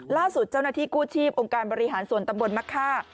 ล่าสุดเจ้าหน้าที่กู้ชีพองค์การบริหารส่วนตำบลมะค่า